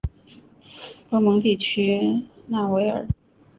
博蒙地区讷维尔。